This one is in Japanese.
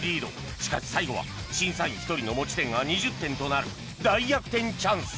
しかし最後は審査員一人の持ち点が２０点となる大逆転チャンス